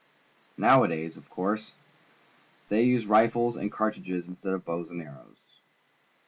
Nowadays, of cour.se, they use rifles and cartridges instead of bows and arrows.